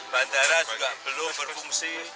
bandara juga belum berfungsi